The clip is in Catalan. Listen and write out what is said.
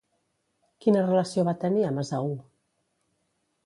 Quina relació va tenir amb Esaú?